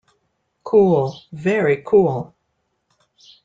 Cool; very cool.